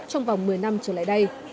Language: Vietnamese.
trong vòng một mươi năm trở lại đây